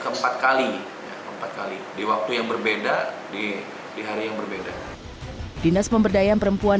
keempat kali empat kali di waktu yang berbeda di di hari yang berbeda dinas pemberdayaan perempuan